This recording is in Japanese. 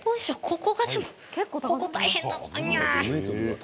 ここが、でもここ大変だぞ。